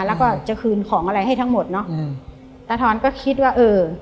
แล้วก็จะคืนของอะไรให้ทั้งหมดเนอะอืมตาทอนก็คิดว่าเออ